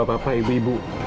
gak apa apa ibu ibu